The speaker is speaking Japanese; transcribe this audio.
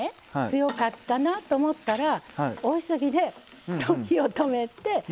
強かったなと思ったら大急ぎで火を止めて。